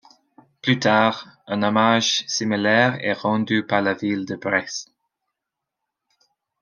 Plus tard, un hommage similaire est rendu par la ville de Brest.